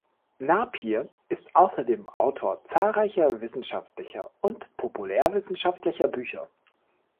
Napier ist außerdem Autor zahlreicher wissenschaftlicher und populärwissenschaftlicher Bücher.